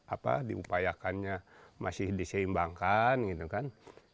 apa diupayakannya masih diseimbangkan gitu kan